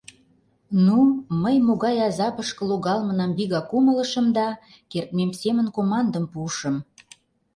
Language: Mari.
Ну, мый могай азапышке логалмынам вигак умылышым да, кертмем семын командым пуышым: